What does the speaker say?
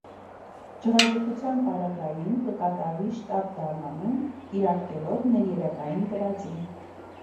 Ջղաձգութեան պարագային կը կատարուի շտապ դարմանում, կիրարկելով ներերակային կրածին։